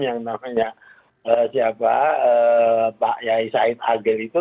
yang namanya siapa pak yaisaid agel itu